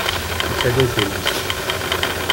Yettagad tillas.